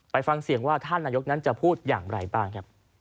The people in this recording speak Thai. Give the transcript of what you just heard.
ฟังเสียงว่าท่านนายกนั้นจะพูดอย่างไรบ้างครับ